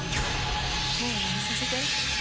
もうやめさせて。